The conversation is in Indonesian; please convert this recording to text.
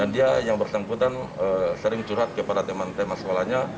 dia yang bersangkutan sering curhat kepada teman teman sekolahnya